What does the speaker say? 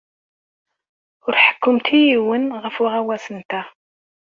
Ur ḥekkumt i yiwen ɣef uɣawas-nteɣ.